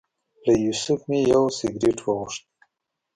له یوسف مې یو سګرټ وغوښت.